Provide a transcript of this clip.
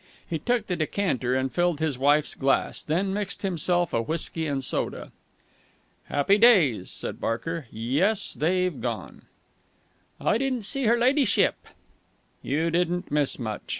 He took the decanter and filled his wife's glass, then mixed himself a whisky and soda. "Happy days!" said Barker. "Yes, they've gone!" "I didn't see her ladyship." "You didn't miss much!